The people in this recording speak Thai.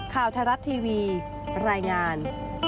ข่าวทรัศน์ทีวีรายงาน